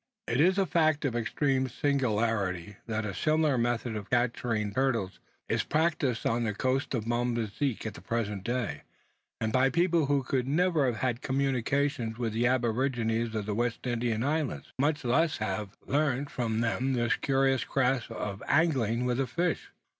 It is a fact of extreme singularity, that a similar method of capturing turtles is practised on the coast of Mozambique at the present day, and by a people who never could have had any communication with the aborigines of the West Indian Islands, much less have learnt from them this curious craft of angling with a fish!